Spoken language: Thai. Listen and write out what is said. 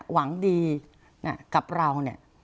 หวังดีกับเรา